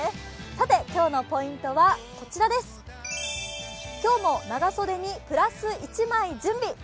今日のポイントは、こちらです今日も長袖にプラス１枚準備。